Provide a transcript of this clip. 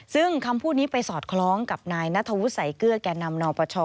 ซึ่งคำพูดนี้ไปสอดคล้องกับนายณฑวศัยเกื้อแก่นำนอปช